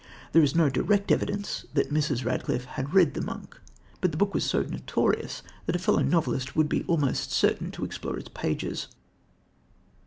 There is no direct evidence that Mrs. Radcliffe had read The Monk, but the book was so notorious that a fellow novelist would be almost certain to explore its pages.